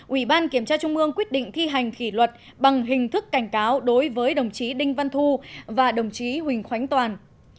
ủy ban kiểm tra trung ương quyết định thi hành kỷ luật bằng hình thức cảnh cáo đối với đồng chí đinh văn thu và đồng chí huỳnh khánh toàn